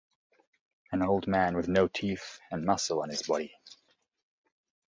An old man with no teeth and muscle on his body.